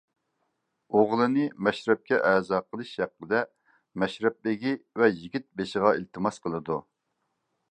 ئوغلىنى مەشرەپكە ئەزا قىلىش ھەققىدە مەشرەپ بېگى ۋە يىگىت بېشىغا ئىلتىماس قىلىدۇ.